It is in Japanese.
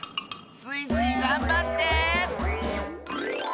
スイスイがんばって！